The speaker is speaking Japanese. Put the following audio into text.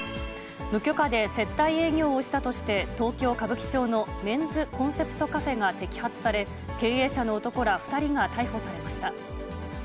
無許可で接待営業をしたとして、東京・歌舞伎町のメンズコンセプトカフェが摘発され、経営者の男ら２人が逮捕されました。